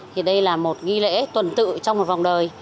thì đây là một nghi lễ tuần tự trong một vòng đời